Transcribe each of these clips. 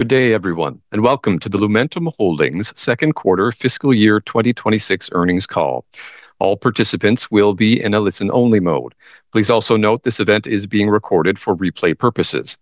Good day, everyone, and welcome to the Lumentum Holdings second quarter fiscal year 2026 earnings call. All participants will be in a listen-only mode. Please also note this event is being recorded for replay purposes.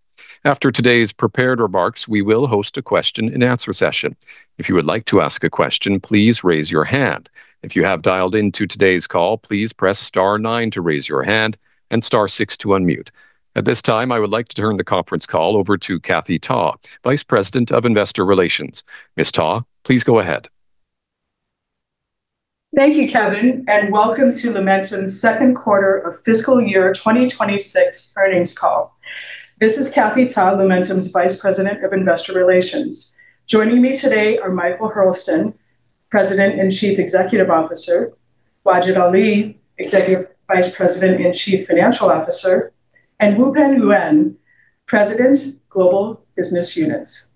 After today's prepared remarks, we will host a question-and-answer session. If you would like to ask a question, please raise your hand. If you have dialed into today's call, please press star nine to raise your hand and star six to unmute. At this time, I would like to turn the conference call over to Kathy Ta, Vice President of Investor Relations. Ms. Ta, please go ahead. Thank you, Kevin, and welcome to Lumentum's second quarter of fiscal year 2026 earnings call. This is Kathy Ta, Lumentum's Vice President of Investor Relations. Joining me today are Michael Hurlston, President and Chief Executive Officer; Wajid Ali, Executive Vice President and Chief Financial Officer; and Wupen Yuen, President, Global Business Units.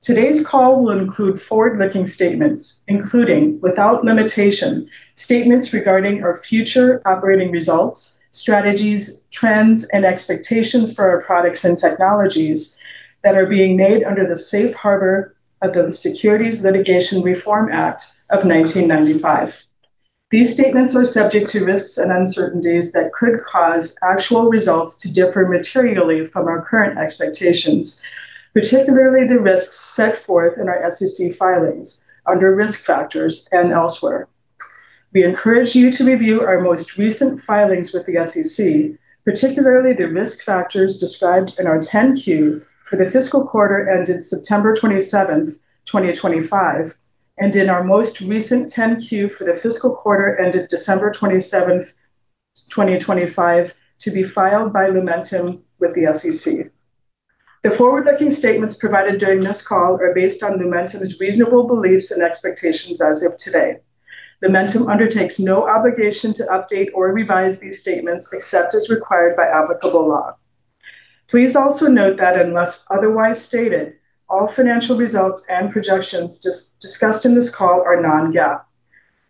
Today's call will include forward-looking statements, including, without limitation, statements regarding our future operating results, strategies, trends, and expectations for our products and technologies that are being made under the safe harbor of the Securities Litigation Reform Act of 1995. These statements are subject to risks and uncertainties that could cause actual results to differ materially from our current expectations, particularly the risks set forth in our SEC filings under Risk Factors and elsewhere. We encourage you to review our most recent filings with the SEC, particularly the risk factors described in our 10-Q for the fiscal quarter ended September 27, 2025, and in our most recent 10-Q for the fiscal quarter ended December 27, 2025, to be filed by Lumentum with the SEC. The forward-looking statements provided during this call are based on Lumentum's reasonable beliefs and expectations as of today. Lumentum undertakes no obligation to update or revise these statements except as required by applicable law. Please also note that unless otherwise stated, all financial results and projections discussed in this call are non-GAAP.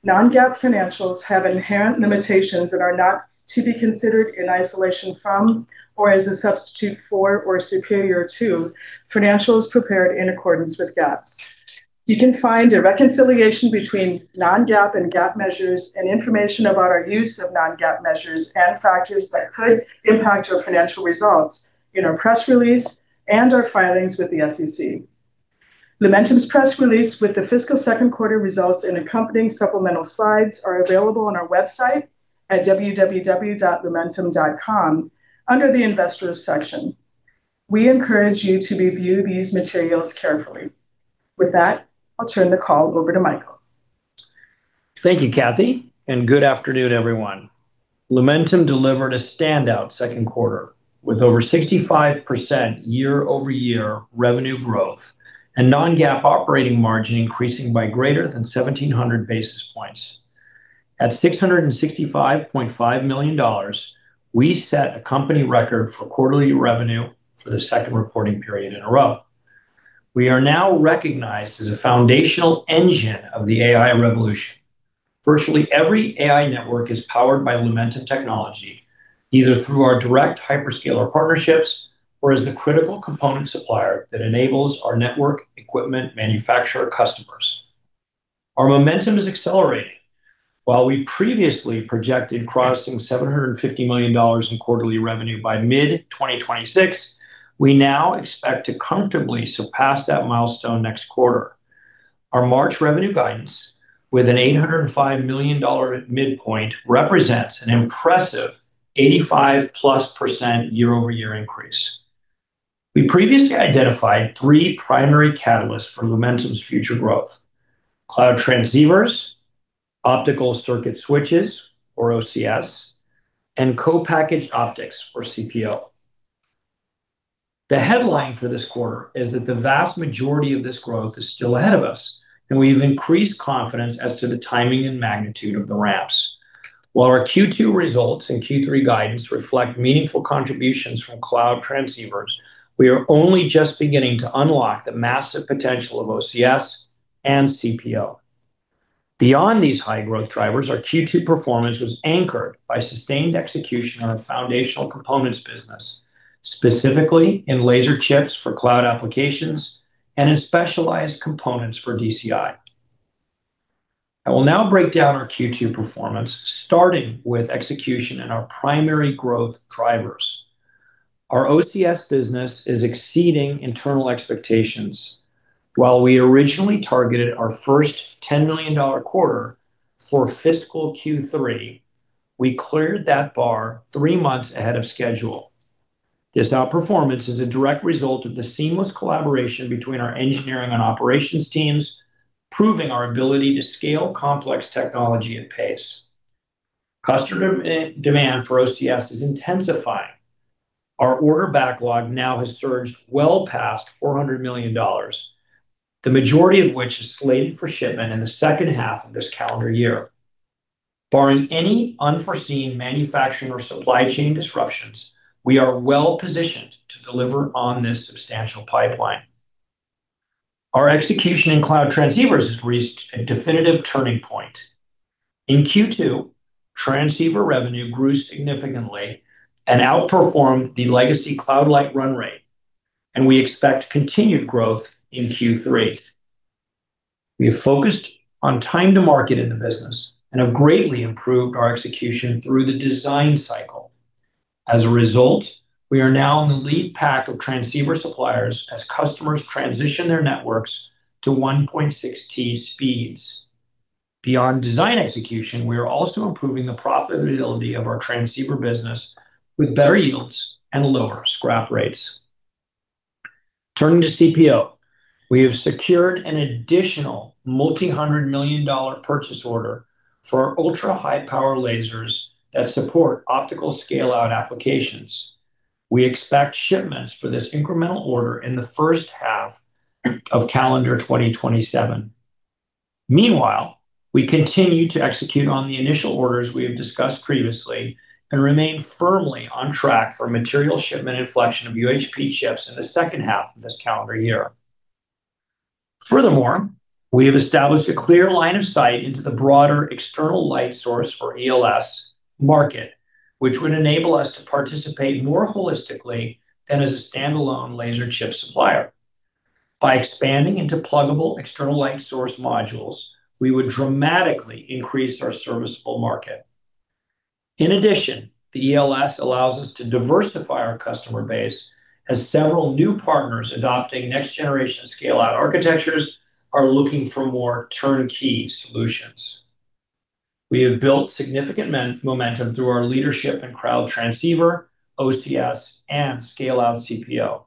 Non-GAAP financials have inherent limitations and are not to be considered in isolation from or as a substitute for or superior to financials prepared in accordance with GAAP. You can find a reconciliation between non-GAAP and GAAP measures and information about our use of non-GAAP measures and factors that could impact our financial results in our press release and our filings with the SEC. Lumentum's press release with the fiscal second quarter results and accompanying supplemental slides are available on our website at www.lumentum.com under the Investors section. We encourage you to review these materials carefully. With that, I'll turn the call over to Michael. Thank you, Kathy, and good afternoon, everyone. Lumentum delivered a standout second quarter with over 65% year-over-year revenue growth and non-GAAP operating margin increasing by greater than 1,700 basis points. At $665.5 million, we set a company record for quarterly revenue for the second reporting period in a row. We are now recognized as a foundational engine of the AI revolution. Virtually every AI network is powered by Lumentum technology, either through our direct hyperscaler partnerships or as the critical component supplier that enables our network equipment manufacturer customers. Our momentum is accelerating. While we previously projected crossing $750 million in quarterly revenue by mid-2026, we now expect to comfortably surpass that milestone next quarter. Our March revenue guidance, with an $805 million midpoint, represents an impressive 85%+ year-over-year increase. We previously identified three primary catalysts for Lumentum's future growth: cloud transceivers, optical circuit switches, or OCS, and co-packaged optics, or CPO. The headline for this quarter is that the vast majority of this growth is still ahead of us, and we've increased confidence as to the timing and magnitude of the ramps. While our Q2 results and Q3 guidance reflect meaningful contributions from cloud transceivers, we are only just beginning to unlock the massive potential of OCS and CPO. Beyond these high-growth drivers, our Q2 performance was anchored by sustained execution on a foundational components business, specifically in laser chips for cloud applications and in specialized components for DCI. I will now break down our Q2 performance, starting with execution and our primary growth drivers. Our OCS business is exceeding internal expectations. While we originally targeted our first $10 million quarter for fiscal Q3, we cleared that bar three months ahead of schedule. This outperformance is a direct result of the seamless collaboration between our engineering and operations teams, proving our ability to scale complex technology at pace. Customer demand for OCS is intensifying. Our order backlog now has surged well past $400 million, the majority of which is slated for shipment in the second half of this calendar year. Barring any unforeseen manufacturing or supply chain disruptions, we are well positioned to deliver on this substantial pipeline. Our execution in cloud transceivers has reached a definitive turning point. In Q2, transceiver revenue grew significantly and outperformed the legacy Cloud Light run rate, and we expect continued growth in Q3. We have focused on time to market in the business and have greatly improved our execution through the design cycle. As a result, we are now in the lead pack of transceiver suppliers as customers transition their networks to 1.6T speeds. Beyond design execution, we are also improving the profitability of our transceiver business with better yields and lower scrap rates. Turning to CPO, we have secured an additional multi-hundred million purchase order for our ultra-high power lasers that support optical scale-out applications. We expect shipments for this incremental order in the first half of calendar 2027. Meanwhile, we continue to execute on the initial orders we have discussed previously and remain firmly on track for material shipment inflection of UHP chips in the second half of this calendar year. Furthermore, we have established a clear line of sight into the broader external light source, or ELS, market, which would enable us to participate more holistically than as a standalone laser chip supplier. By expanding into pluggable external light source modules, we would dramatically increase our serviceable market. In addition, the ELS allows us to diversify our customer base as several new partners adopting next-generation scale-out architectures are looking for more turnkey solutions. We have built significant momentum through our leadership in cloud transceiver, OCS, and scale-out CPO.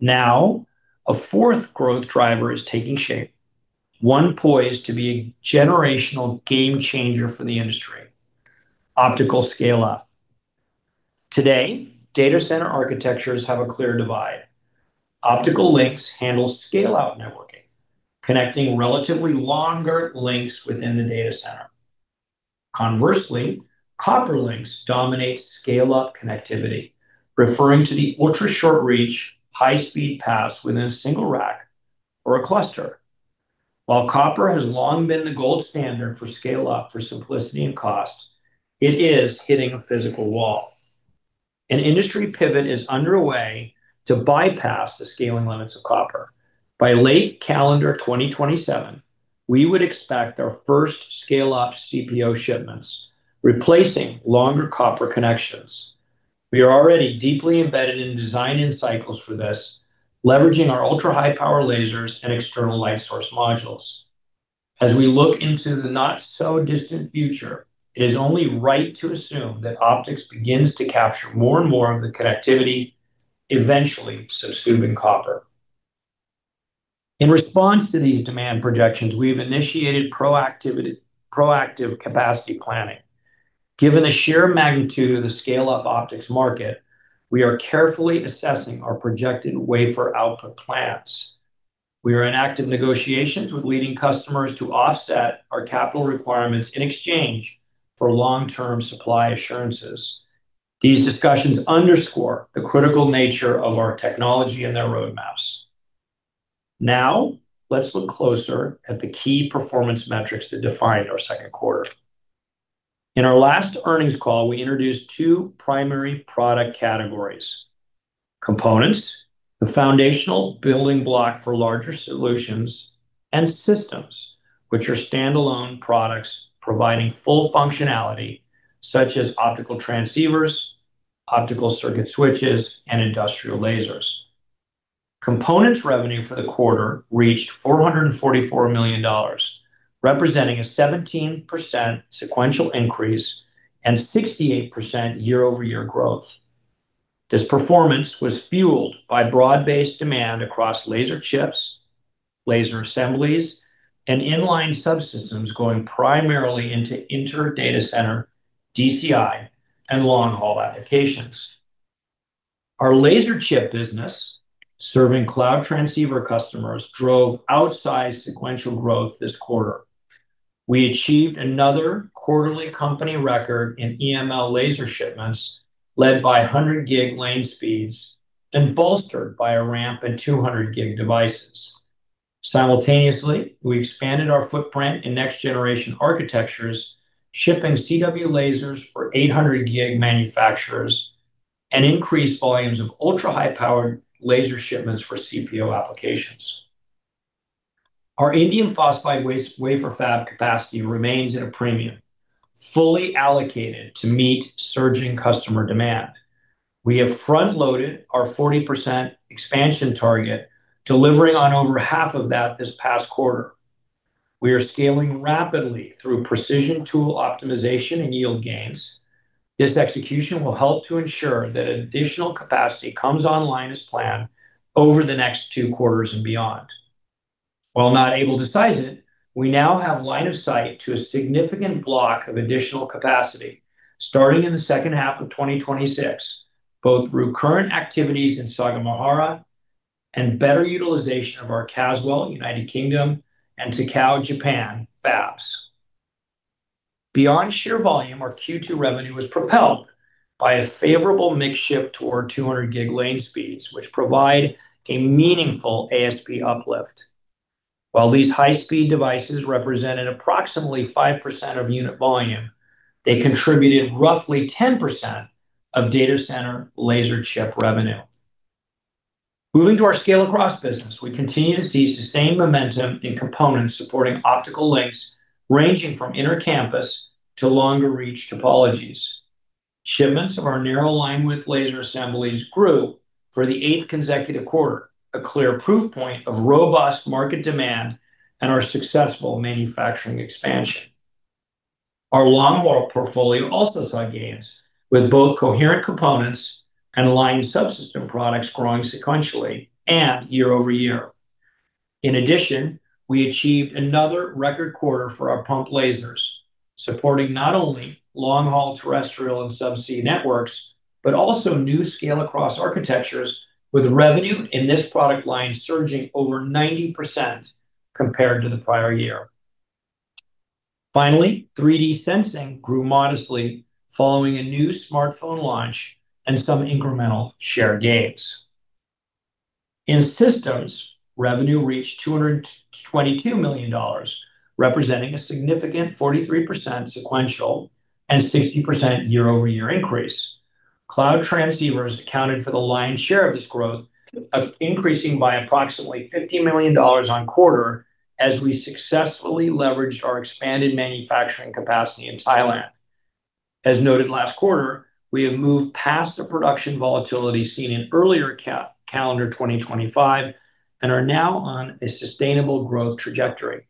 Now, a fourth growth driver is taking shape, one poised to be a generational game-changer for the industry: optical scale-up. Today, data center architectures have a clear divide. Optical links handle scale-out networking, connecting relatively longer links within the data center. Conversely, copper links dominate scale-up connectivity, referring to the ultra-short reach, high-speed pass within a single rack or a cluster. While copper has long been the gold standard for scale-up for simplicity and cost, it is hitting a physical wall. An industry pivot is underway to bypass the scaling limits of copper. By late calendar 2027, we would expect our first scale-up CPO shipments, replacing longer copper connections. We are already deeply embedded in design insights for this, leveraging our ultra-high power lasers and external light source modules. As we look into the not-so-distant future, it is only right to assume that optics begins to capture more and more of the connectivity, eventually subsuming copper. In response to these demand projections, we've initiated proactive capacity planning. Given the sheer magnitude of the scale-up optics market, we are carefully assessing our projected wafer output plans. We are in active negotiations with leading customers to offset our capital requirements in exchange for long-term supply assurances. These discussions underscore the critical nature of our technology and their roadmaps. Now, let's look closer at the key performance metrics that defined our second quarter. In our last earnings call, we introduced two primary product categories: components, the foundational building block for larger solutions, and systems, which are standalone products providing full functionality, such as optical transceivers, optical circuit switches, and industrial lasers. Components revenue for the quarter reached $444 million, representing a 17% sequential increase and 68% year-over-year growth. This performance was fueled by broad-based demand across laser chips, laser assemblies, and inline subsystems going primarily into inter-data center, DCI, and long-haul applications. Our laser chip business, serving cloud transceiver customers, drove outsized sequential growth this quarter. We achieved another quarterly company record in EML laser shipments, led by 100 gig lane speeds and bolstered by a ramp in 200 gig devices. Simultaneously, we expanded our footprint in next-generation architectures, shipping CW lasers for 800 gig manufacturers and increased volumes of ultra-high power laser shipments for CPO applications. Our indium phosphide wafer fab capacity remains at a premium, fully allocated to meet surging customer demand. We have front-loaded our 40% expansion target, delivering on over half of that this past quarter. We are scaling rapidly through precision tool optimization and yield gains. This execution will help to ensure that additional capacity comes online as planned over the next two quarters and beyond. While not able to size it, we now have line of sight to a significant block of additional capacity starting in the second half of 2026, both through current activities in Sagamihara and better utilization of our Caswell, United Kingdom, and Takao, Japan, fabs. Beyond sheer volume, our Q2 revenue was propelled by a favorable mix shift toward 200 gig lane speeds, which provide a meaningful ASP uplift. While these high-speed devices represented approximately 5% of unit volume, they contributed roughly 10% of data center laser chip revenue. Moving to our scale across business, we continue to see sustained momentum in components supporting optical links, ranging from intra-campus to longer reach topologies. Shipments of our narrow linewidth laser assemblies grew for the eighth consecutive quarter, a clear proof point of robust market demand and our successful manufacturing expansion. Our long-haul portfolio also saw gains with both coherent components and aligned subsystem products growing sequentially and year-over-year. In addition, we achieved another record quarter for our pump lasers, supporting not only long-haul terrestrial and subsea networks, but also new scale-across architectures, with revenue in this product line surging over 90% compared to the prior year. Finally, 3D sensing grew modestly following a new smartphone launch and some incremental share gains. In systems, revenue reached $222 million, representing a significant 43% sequential and 60% year-over-year increase. Cloud transceivers accounted for the lion's share of this growth, of increasing by approximately $50 million on quarter as we successfully leveraged our expanded manufacturing capacity in Thailand. As noted last quarter, we have moved past the production volatility seen in earlier calendar 2025, and are now on a sustainable growth trajectory.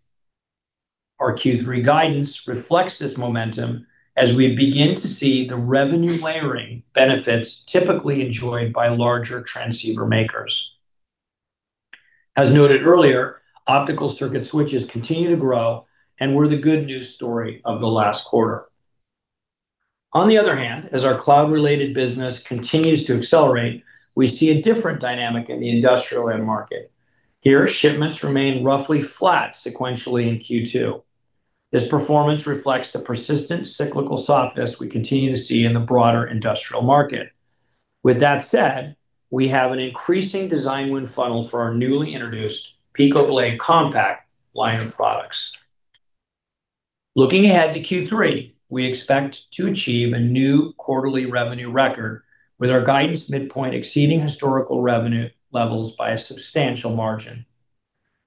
Our Q3 guidance reflects this momentum as we begin to see the revenue layering benefits typically enjoyed by larger transceiver makers. As noted earlier, optical circuit switches continue to grow, and we're the good news story of the last quarter. On the other hand, as our cloud-related business continues to accelerate, we see a different dynamic in the industrial end market. Here, shipments remain roughly flat sequentially in Q2. This performance reflects the persistent cyclical softness we continue to see in the broader industrial market. With that said, we have an increasing design win funnel for our newly introduced PicoBlade Compact line of products. Looking ahead to Q3, we expect to achieve a new quarterly revenue record, with our guidance midpoint exceeding historical revenue levels by a substantial margin.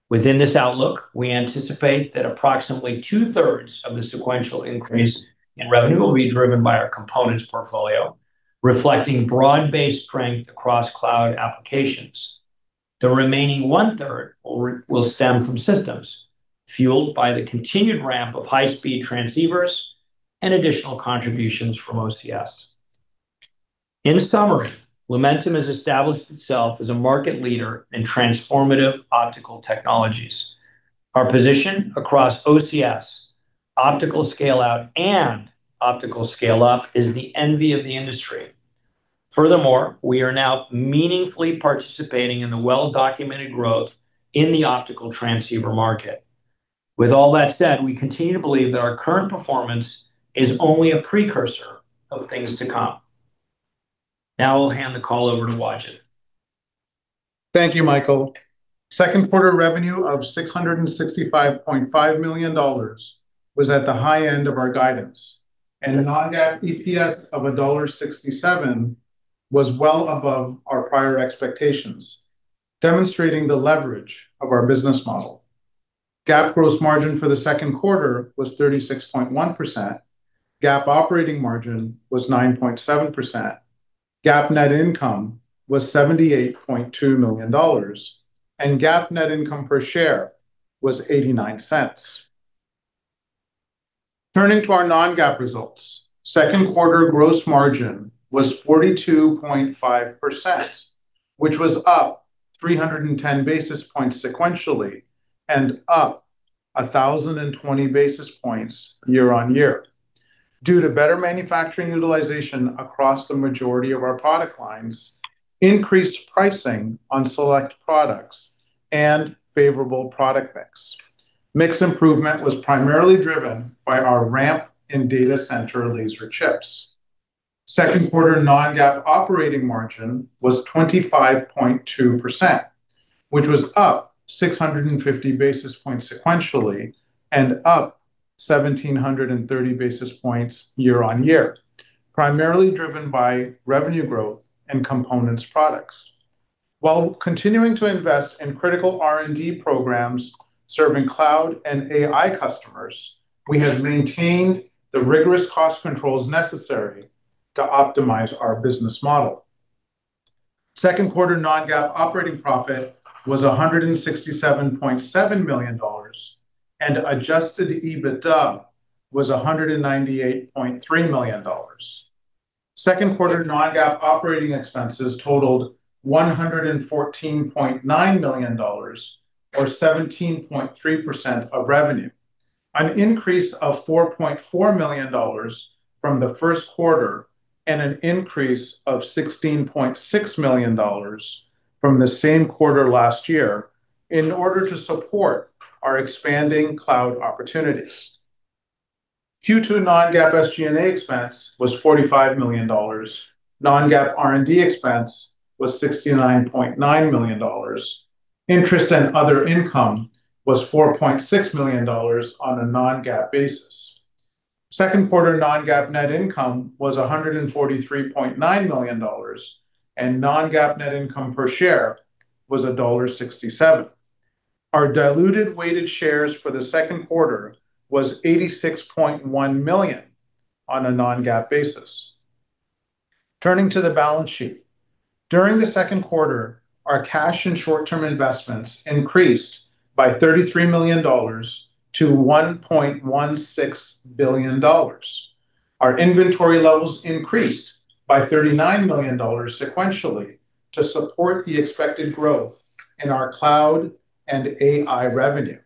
Within this outlook, we anticipate that approximately two-thirds of the sequential increase in revenue will be driven by our components portfolio, reflecting broad-based strength across cloud applications. The remaining one-third will stem from systems fueled by the continued ramp of high-speed transceivers and additional contributions from OCS. In summary, Lumentum has established itself as a market leader in transformative optical technologies. Our position across OCS, optical scale out and optical scale up, is the envy of the industry. Furthermore, we are now meaningfully participating in the well-documented growth in the optical transceiver market. With all that said, we continue to believe that our current performance is only a precursor of things to come. Now I'll hand the call over to Wajid. Thank you, Michael. Second quarter revenue of $665.5 million was at the high end of our guidance, and a non-GAAP EPS of $1.67 was well above our prior expectations, demonstrating the leverage of our business model. GAAP gross margin for the second quarter was 36.1%, GAAP operating margin was 9.7%, GAAP net income was $78.2 million, and GAAP net income per share was $0.89. Turning to our non-GAAP results, second quarter gross margin was 42.5%, which was up 310 basis points sequentially and up 1,020 basis points year on year, due to better manufacturing utilization across the majority of our product lines, increased pricing on select products, and favorable product mix. Mix improvement was primarily driven by our ramp in data center laser chips. Second quarter non-GAAP operating margin was 25.2%, which was up 650 basis points sequentially and up 1,730 basis points year-on-year, primarily driven by revenue growth and components products. While continuing to invest in critical R&D programs serving cloud and AI customers, we have maintained the rigorous cost controls necessary to optimize our business model. Second quarter non-GAAP operating profit was $167.7 million, and Adjusted EBITDA was $198.3 million. Second quarter non-GAAP operating expenses totaled $114.9 million or 17.3% of revenue, an increase of $4.4 million from the first quarter, and an increase of $16.6 million from the same quarter last year in order to support our expanding cloud opportunities. Q2 non-GAAP SG&A expense was $45 million. Non-GAAP R&D expense was $69.9 million. Interest and other income was $4.6 million on a non-GAAP basis. Second quarter non-GAAP net income was $143.9 million, and non-GAAP net income per share was $1.67. Our diluted weighted shares for the second quarter was 86.1 million on a non-GAAP basis. Turning to the balance sheet. During the second quarter, our cash and short-term investments increased by $33 million to $1.16 billion. Our inventory levels increased by $39 million sequentially to support the expected growth in our cloud and AI revenue.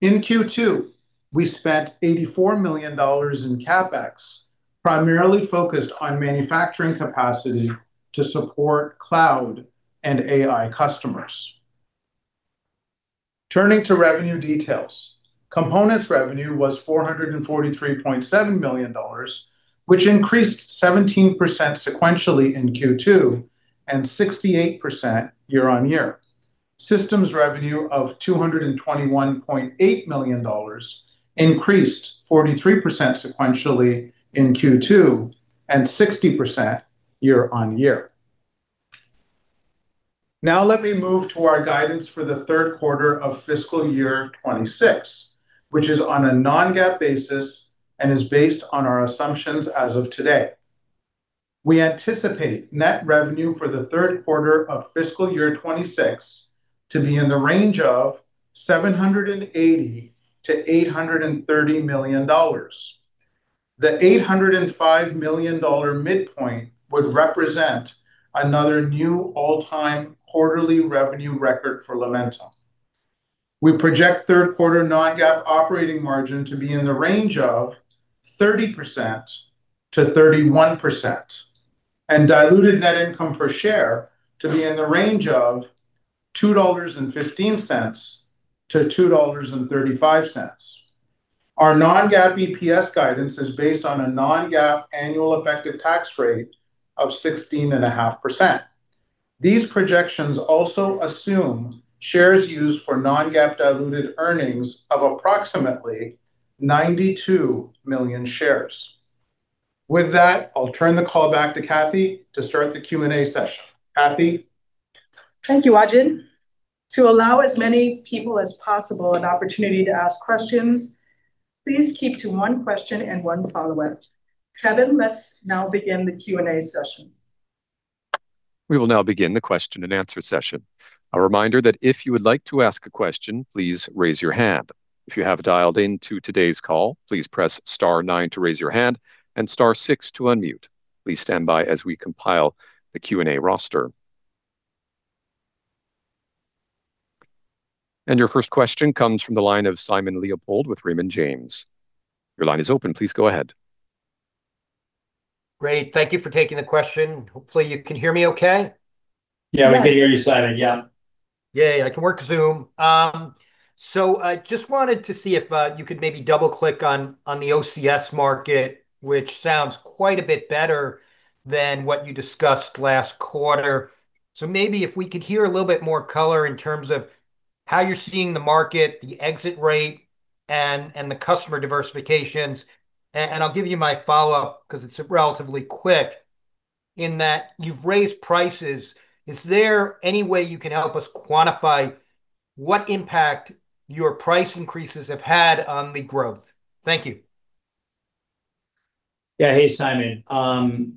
In Q2, we spent $84 million in CapEx, primarily focused on manufacturing capacity to support cloud and AI customers. Turning to revenue details. Components revenue was $443.7 million, which increased 17% sequentially in Q2 and 68% year-on-year. Systems revenue of $221.8 million increased 43% sequentially in Q2 and 60% year-on-year. Now let me move to our guidance for the third quarter of fiscal year 2026, which is on a non-GAAP basis and is based on our assumptions as of today. We anticipate net revenue for the third quarter of fiscal year 2026 to be in the range of $780 million-$830 million. The $805 million midpoint would represent another new all-time quarterly revenue record for Lumentum. We project third quarter non-GAAP operating margin to be in the range of 30%-31%, and diluted net income per share to be in the range of $2.15-$2.35. Our non-GAAP EPS guidance is based on a non-GAAP annual effective tax rate of 16.5%. These projections also assume shares used for non-GAAP diluted earnings of approximately 92 million shares. With that, I'll turn the call back to Kathy to start the Q&A session. Kathy? Thank you, Wajid. To allow as many people as possible an opportunity to ask questions, please keep to one question and one follow-up. Kevin, let's now begin the Q&A session. We will now begin the question and answer session. A reminder that if you would like to ask a question, please raise your hand. If you have dialed in to today's call, please press star nine to raise your hand and star six to unmute. Please stand by as we compile the Q&A roster. Your first question comes from the line of Simon Leopold with Raymond James. Your line is open. Please go ahead. Great. Thank you for taking the question. Hopefully, you can hear me okay? Yeah, we can hear you, Simon. Yeah. Yay, I can work Zoom. So I just wanted to see if you could maybe double-click on the OCS market, which sounds quite a bit better than what you discussed last quarter. So maybe if we could hear a little bit more color in terms of how you're seeing the market, the exit rate, and the customer diversifications. And I'll give you my follow-up 'cause it's relatively quick. In that you've raised prices, is there any way you can help us quantify what impact your price increases have had on the growth? Thank you. Yeah. Hey, Simon.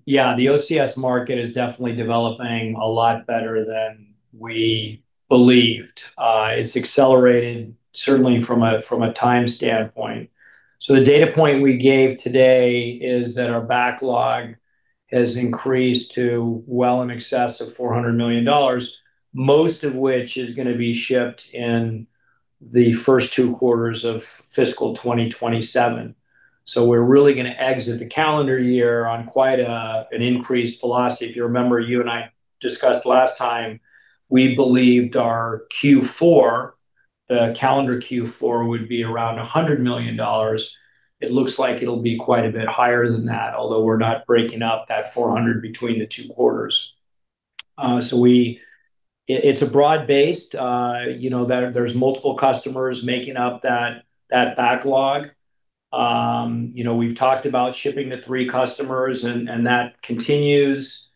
Yeah, the OCS market is definitely developing a lot better than we believed. It's accelerating, certainly from a time standpoint. So the data point we gave today is that our backlog has increased to well in excess of $400 million, most of which is gonna be shipped in the first two quarters of fiscal 2027. So we're really gonna exit the calendar year on quite an increased velocity. If you remember, you and I discussed last time, we believed our Q4, the calendar Q4, would be around $100 million. It looks like it'll be quite a bit higher than that, although we're not breaking out that $400 between the two quarters. So it's a broad base. You know, there, there's multiple customers making up that backlog. You know, we've talked about shipping to three customers, and that continues.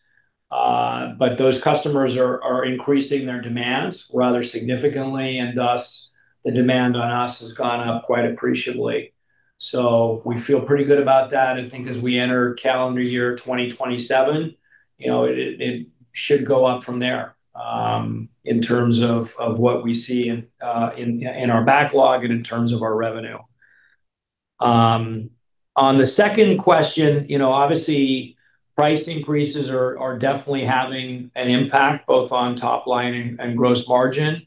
But those customers are increasing their demands rather significantly, and thus the demand on us has gone up quite appreciably. So we feel pretty good about that. I think as we enter calendar year 2027, you know, it should go up from there in terms of what we see in our backlog and in terms of our revenue. On the second question, you know, obviously- ...Price increases are definitely having an impact both on top line and gross margin.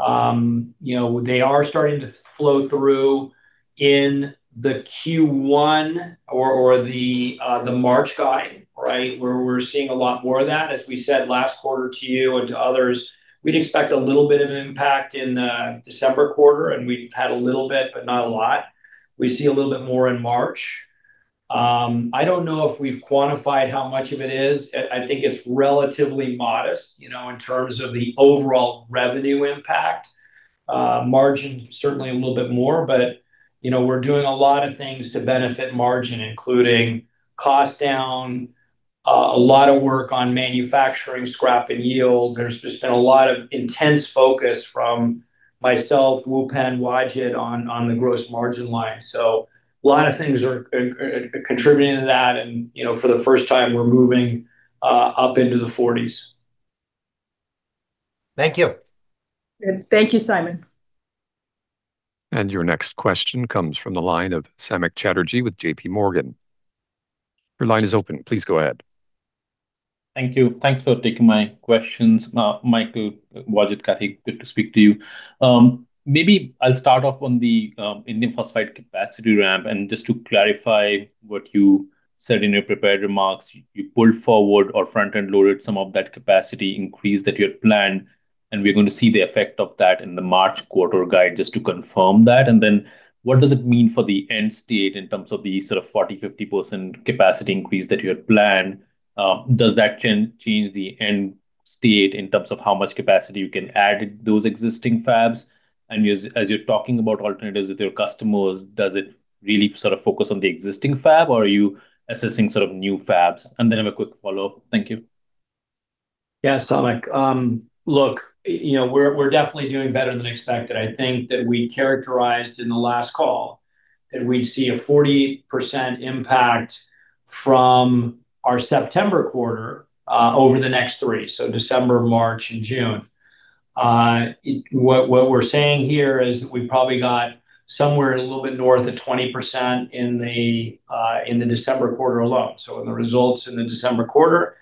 You know, they are starting to flow through in the Q1 or the March guide, right? Where we're seeing a lot more of that. As we said last quarter to you and to others, we'd expect a little bit of an impact in the December quarter, and we've had a little bit, but not a lot. We see a little bit more in March. I don't know if we've quantified how much of it is. I think it's relatively modest, you know, in terms of the overall revenue impact. Margin, certainly a little bit more, but, you know, we're doing a lot of things to benefit margin, including cost down, a lot of work on manufacturing, scrap, and yield. There's just been a lot of intense focus from myself, Wupen, Wajid, on the gross margin line. So a lot of things are contributing to that and, you know, for the first time, we're moving up into the forties. Thank you. Good. Thank you, Simon. Your next question comes from the line of Samik Chatterjee with J.P. Morgan. Your line is open. Please go ahead. Thank you. Thanks for taking my questions. Michael, Wajid, Kathy, good to speak to you. Maybe I'll start off on the indium phosphide capacity ramp, and just to clarify what you said in your prepared remarks, you pulled forward or front-end loaded some of that capacity increase that you had planned, and we're going to see the effect of that in the March quarter guide, just to confirm that. And then, what does it mean for the end state in terms of the sort of 40%-50% capacity increase that you had planned? Does that change the end state in terms of how much capacity you can add to those existing fabs? And as you're talking about alternatives with your customers, does it really sort of focus on the existing fab, or are you assessing sort of new fabs? And then I have a quick follow-up. Thank you. Yeah, Samik, look, you know, we're, we're definitely doing better than expected. I think that we characterized in the last call that we'd see a 40% impact from our September quarter over the next three, so December, March, and June. What we're saying here is that we've probably got somewhere a little bit north of 20% in the December quarter alone, so in the results in the December quarter.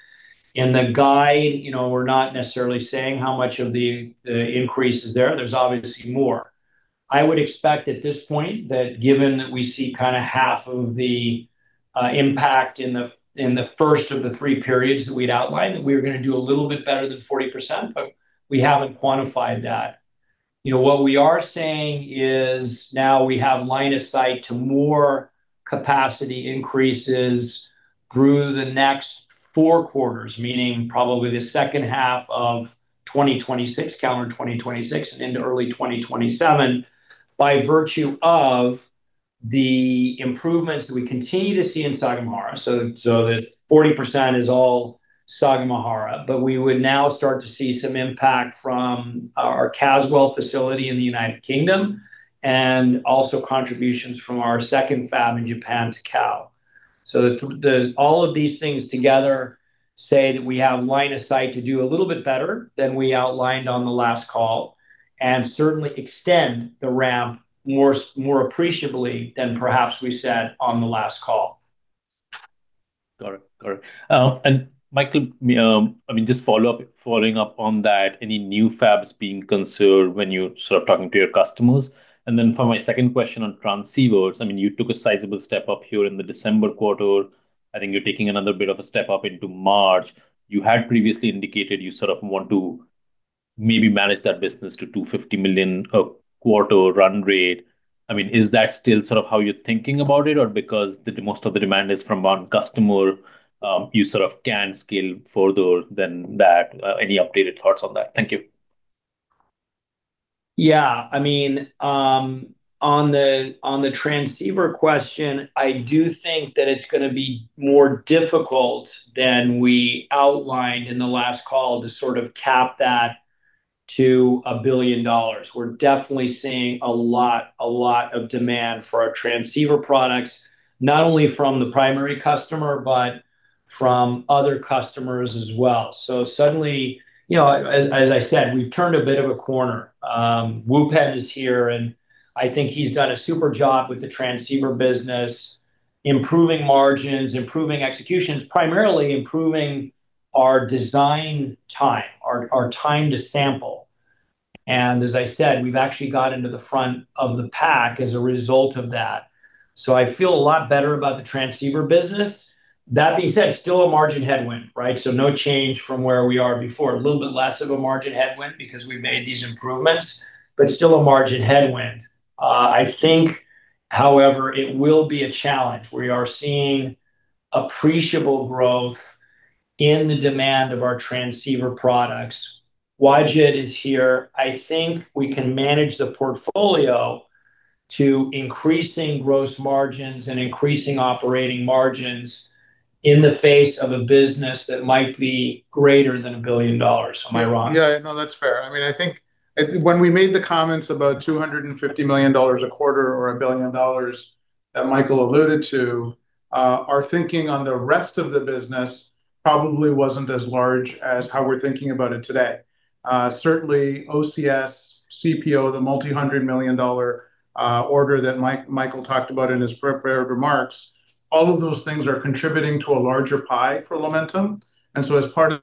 In the guide, you know, we're not necessarily saying how much of the, the increase is there. There's obviously more. I would expect at this point that given that we see kind of half of the impact in the first of the three periods that we'd outlined, that we're gonna do a little bit better than 40%, but we haven't quantified that. You know, what we are saying is, now we have line of sight to more capacity increases through the next four quarters, meaning probably the second half of 2026, calendar 2026, into early 2027, by virtue of the improvements that we continue to see in Sagamihara. So, the 40% is all Sagamihara, but we would now start to see some impact from our Caswell facility in the United Kingdom, and also contributions from our second fab in Japan to Cal. So the all of these things together say that we have line of sight to do a little bit better than we outlined on the last call, and certainly extend the ramp more more appreciably than perhaps we said on the last call. Got it. Got it. And Michael, I mean, just follow up, following up on that, any new fabs being considered when you're sort of talking to your customers? And then for my second question on transceivers, I mean, you took a sizable step up here in the December quarter. I think you're taking another bit of a step up into March. You had previously indicated you sort of want to maybe manage that business to $250 million a quarter run rate. I mean, is that still sort of how you're thinking about it, or because most of the demand is from one customer, you sort of can scale further than that? Any updated thoughts on that? Thank you. Yeah, I mean, on the transceiver question, I do think that it's gonna be more difficult than we outlined in the last call to sort of cap that to $1 billion. We're definitely seeing a lot, a lot of demand for our transceiver products, not only from the primary customer, but from other customers as well. So suddenly, you know, as I said, we've turned a bit of a corner. Wupen Yuen is here, and I think he's done a super job with the transceiver business, improving margins, improving executions, primarily improving our design time, our time to sample. And as I said, we've actually got into the front of the pack as a result of that, so I feel a lot better about the transceiver business. That being said, still a margin headwind, right? So no change from where we are before. A little bit less of a margin headwind because we've made these improvements, but still a margin headwind. I think, however, it will be a challenge. We are seeing appreciable growth in the demand of our transceiver products. Wajid is here. I think we can manage the portfolio to increasing gross margins and increasing operating margins in the face of a business that might be greater than $1 billion. Am I wrong? Yeah, no, that's fair. I mean, I think when we made the comments about $250 million a quarter or $1 billion that Michael alluded to, our thinking on the rest of the business-... probably wasn't as large as how we're thinking about it today. Certainly OCS, CPO, the $multi-hundred-million-dollar order that Michael talked about in his prepared remarks, all of those things are contributing to a larger pie for Lumentum. And so as part of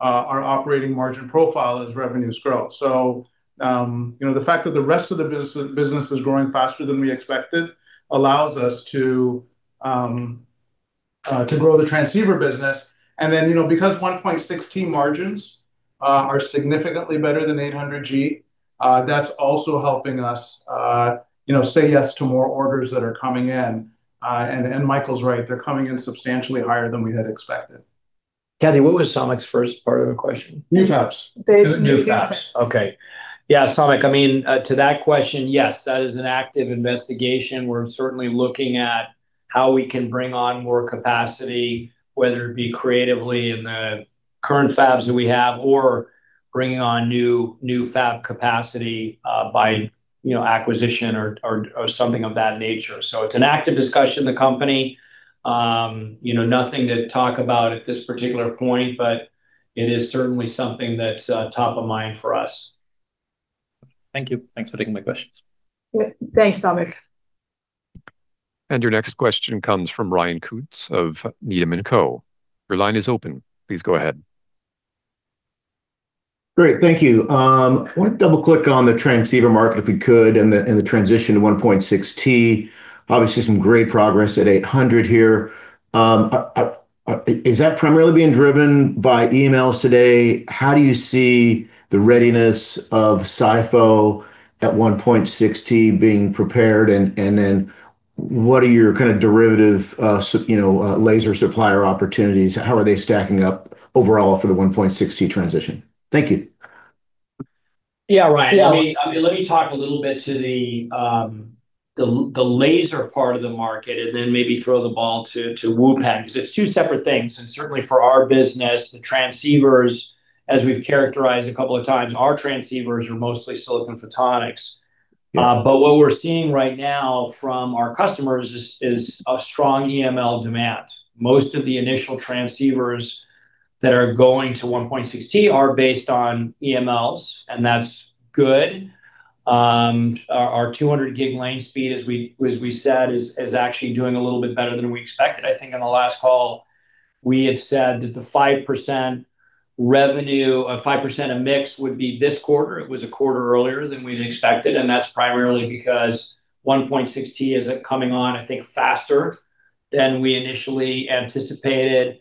our operating margin profile as revenues grow. So, you know, the fact that the rest of the business is growing faster than we expected allows us to to grow the transceiver business. And then, you know, because 1.6 margins are significantly better than 800G, that's also helping us, you know, say yes to more orders that are coming in. And Michael's right, they're coming in substantially higher than we had expected. Kathy, what was Samik's first part of the question? New fabs. New fabs. Okay. Yeah, Samik, I mean, to that question, yes, that is an active investigation. We're certainly looking at how we can bring on more capacity, whether it be creatively in the current fabs that we have or bringing on new fab capacity, by, you know, acquisition or something of that nature. So it's an active discussion in the company. You know, nothing to talk about at this particular point, but it is certainly something that's top of mind for us. Thank you. Thanks for taking my questions. Thanks, Samik. Your next question comes from Ryan Koontz of Needham & Company. Your line is open. Please go ahead. Great. Thank you. I want to double-click on the transceiver market, if we could, and the, and the transition to 1.6 T. Obviously, some great progress at 800 here. Is that primarily being driven by EMLs today? How do you see the readiness of SiPh at 1.6 T being prepared? And, and then what are your kind of derivative, you know, laser supplier opportunities, how are they stacking up overall for the 1.6 T transition? Thank you. Yeah, Ryan. Yeah. I mean, let me talk a little bit to the, the laser part of the market, and then maybe throw the ball to, to Wupen, because it's two separate things. And certainly for our business, the transceivers, as we've characterized a couple of times, our transceivers are mostly silicon photonics. But what we're seeing right now from our customers is, is a strong EML demand. Most of the initial transceivers that are going to 1.6 T are based on EMLs, and that's good. Our, our 200 gig lane speed, as we, as we said, is, is actually doing a little bit better than we expected. I think in the last call, we had said that the 5% revenue, 5% of mix would be this quarter. It was a quarter earlier than we'd expected, and that's primarily because 1.6T is coming on, I think, faster than we initially anticipated,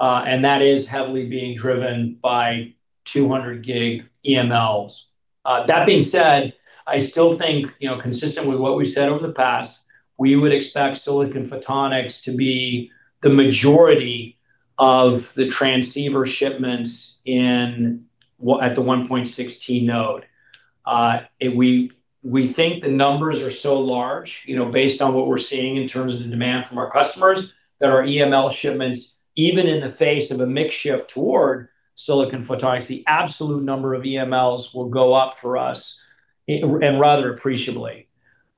and that is heavily being driven by 200 gig EMLs. That being said, I still think, you know, consistent with what we've said over the past, we would expect silicon photonics to be the majority of the transceiver shipments in what at the 1.6T node. And we think the numbers are so large, you know, based on what we're seeing in terms of the demand from our customers, that our EML shipments, even in the face of a mix shift toward silicon photonics, the absolute number of EMLs will go up for us, and rather appreciably.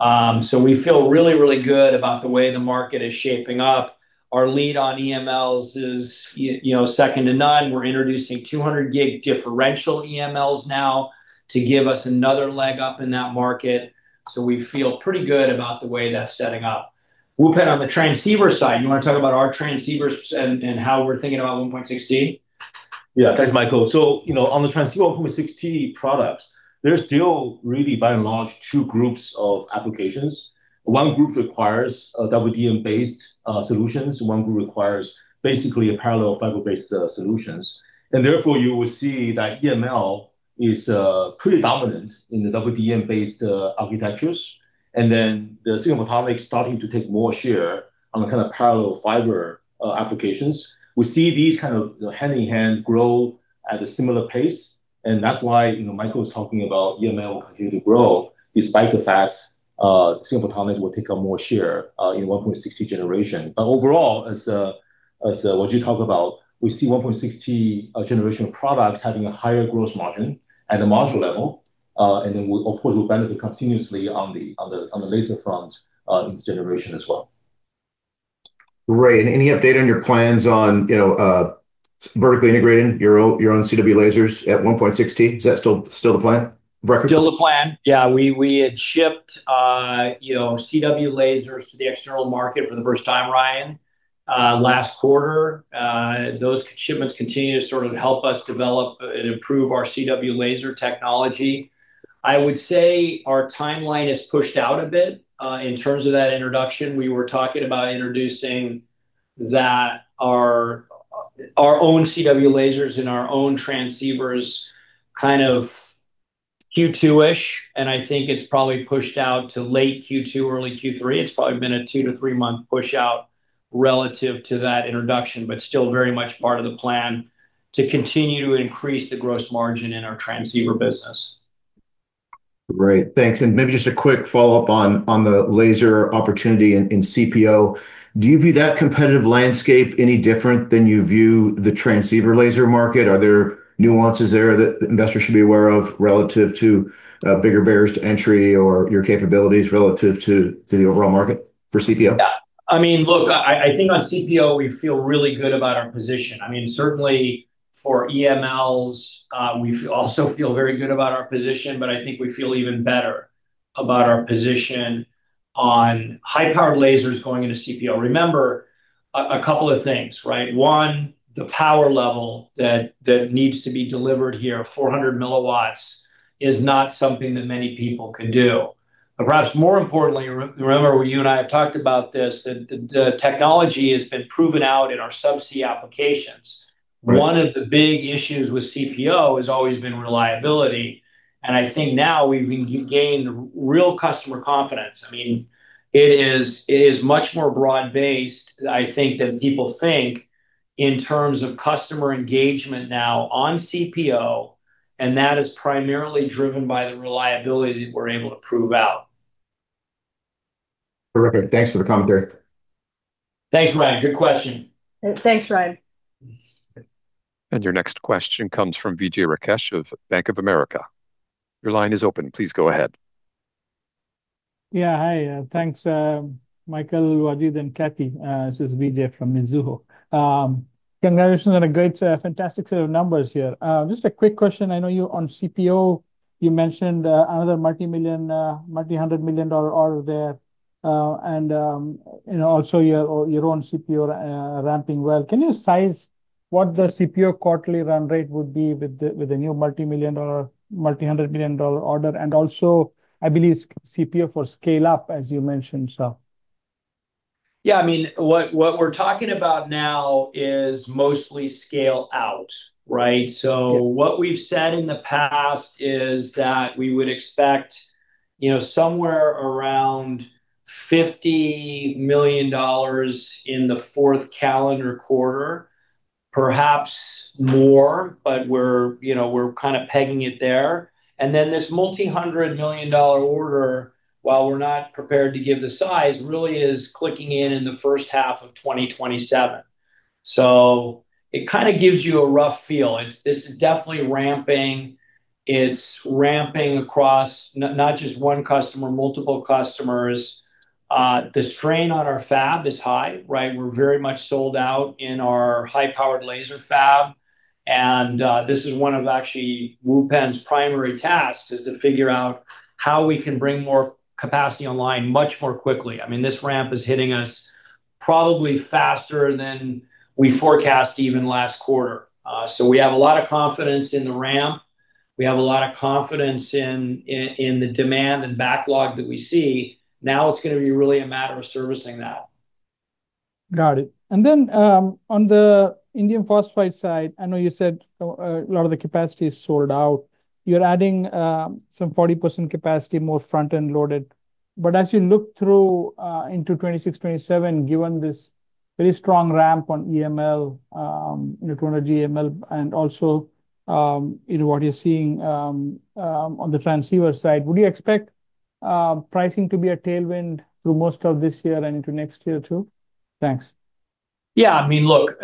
So we feel really, really good about the way the market is shaping up. Our lead on EMLs is, you know, second to none. We're introducing 200 gig differential EMLs now to give us another leg up in that market, so we feel pretty good about the way that's setting up. Wupen, on the transceiver side, you wanna talk about our transceivers and how we're thinking about 1.6T? Yeah. Thanks, Michael. So, you know, on the transceiver 1.6T products, there are still really, by and large, two groups of applications. One group requires WDM-based solutions, one group requires basically a parallel fiber-based solutions. And therefore, you will see that EML is pretty dominant in the WDM-based architectures, and then the silicon photonics starting to take more share on the kind of parallel fiber applications. We see these kind of hand in hand grow at a similar pace, and that's why, you know, Michael is talking about EML continue to grow, despite the fact silicon photonics will take up more share in 1.6T generation. But overall, as what you talk about, we see 1.6T generation of products having a higher growth margin at the module level, and then we'll, of course, benefit continuously on the laser front in this generation as well. Great. Any update on your plans on, you know, vertically integrating your own, your own CW lasers at 1.6T? Is that still, still the plan, roughly? Still the plan. Yeah, we, we had shipped, you know, CW lasers to the external market for the first time, Ryan, last quarter. Those shipments continue to sort of help us develop and improve our CW laser technology. I would say our timeline is pushed out a bit, in terms of that introduction. We were talking about introducing that our, our own CW lasers and our own transceivers, kind of Q2-ish, and I think it's probably pushed out to late Q2, early Q3. It's probably been a two-three-month push-out relative to that introduction, but still very much part of the plan to continue to increase the gross margin in our transceiver business. Great. Thanks. Maybe just a quick follow-up on the laser opportunity in CPO. Do you view that competitive landscape any different than you view the transceiver laser market? Are there nuances there that investors should be aware of relative to bigger barriers to entry or your capabilities relative to the overall market for CPO? I mean, look, I think on CPO, we feel really good about our position. I mean, certainly for EMLs, we also feel very good about our position, but I think we feel even better about our position on high-powered lasers going into CPO. Remember a couple of things, right? One, the power level that needs to be delivered here, 400 mW, is not something that many people can do. But perhaps more importantly, remember, you and I have talked about this, the technology has been proven out in our subsea applications. Right. One of the big issues with CPO has always been reliability, and I think now we've gained real customer confidence. I mean, it is, it is much more broad-based, I think, than people think, in terms of customer engagement now on CPO, and that is primarily driven by the reliability that we're able to prove out. Perfect. Thanks for the commentary. Thanks, Ryan. Good question. Thanks, Ryan. Your next question comes from Vijay Rakesh of Bank of America. Your line is open. Please go ahead. Yeah, hi, thanks, Michael, Ajit, and Kathy. This is Vijay from Mizuho. Congratulations on a great, fantastic set of numbers here. Just a quick question, I know you on CPO, you mentioned, another multi-million, multi-hundred million dollar order there. And, you know, also your, your own CPO, ramping well. Can you size what the CPO quarterly run rate would be with the, with the new multi-million dollar, multi-hundred million dollar order, and also, I believe CPO for scale-up, as you mentioned, so? Yeah, I mean, what, what we're talking about now is mostly scale out, right? Yeah. So what we've said in the past is that we would expect, you know, somewhere around $50 million in the fourth calendar quarter, perhaps more, but we're, you know, we're kind of pegging it there. And then, this multi-hundred million dollar order, while we're not prepared to give the size, really is clicking in in the first half of 2027. So it kind of gives you a rough feel. It's this is definitely ramping. It's ramping across not just one customer, multiple customers. The strain on our fab is high, right? We're very much sold out in our high-powered laser fab, and this is one of actually Wupen Yuen's primary tasks, is to figure out how we can bring more capacity online much more quickly. I mean, this ramp is hitting us probably faster than we forecast even last quarter. So we have a lot of confidence in the ramp. We have a lot of confidence in the demand and backlog that we see. Now, it's gonna be really a matter of servicing that. Got it. And then, on the indium phosphide side, I know you said, a lot of the capacity is sold out. You're adding, some 40% capacity, more front-end loaded. But as you look through, into 2026, 2027, given this very strong ramp on EML, neutron EML, and also, you know, what you're seeing, on the transceiver side, would you expect, pricing to be a tailwind through most of this year and into next year, too? Thanks. Yeah, I mean, look,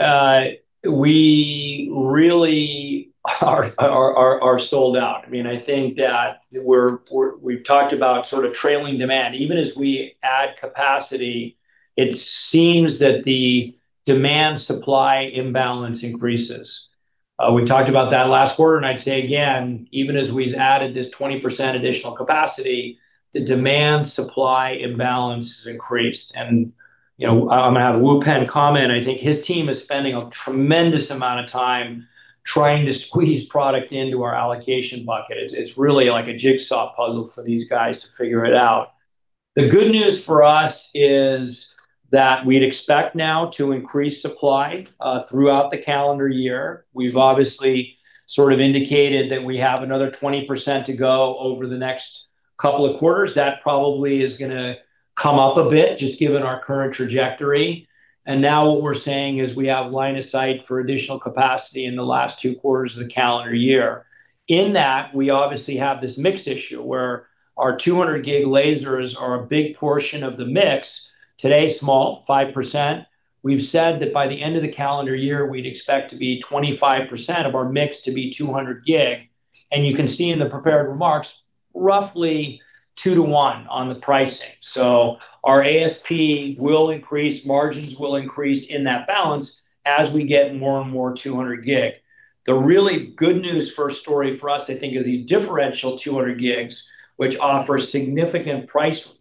we really are sold out. I mean, I think that we've talked about sort of trailing demand. Even as we add capacity, it seems that the demand-supply imbalance increases. We talked about that last quarter, and I'd say again, even as we've added this 20% additional capacity, the demand-supply imbalance has increased. And, you know, I'm gonna have Wupen Yuen comment. I think his team is spending a tremendous amount of time trying to squeeze product into our allocation bucket. It's really like a jigsaw puzzle for these guys to figure it out. The good news for us is that we'd expect now to increase supply throughout the calendar year. We've obviously sort of indicated that we have another 20% to go over the next couple of quarters. That probably is gonna come up a bit, just given our current trajectory. Now what we're saying is we have line of sight for additional capacity in the last two quarters of the calendar year. In that, we obviously have this mix issue, where our 200 gig lasers are a big portion of the mix. Today, small, 5%. We've said that by the end of the calendar year, we'd expect to be 25% of our mix to be 200 gig, and you can see in the prepared remarks, roughly 2-to-1 on the pricing. So our ASP will increase, margins will increase in that balance as we get more and more 200 gig. The really good news first story for us, I think, are these differential 200 gigs, which offer significant price,